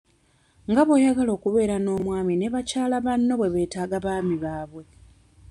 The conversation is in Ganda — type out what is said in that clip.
Nga bw'oyagala okubeera n'omwami ne bakyala banno bwe beetaaga abaami baabwe.